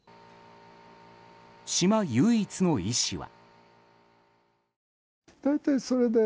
島唯一の医師は。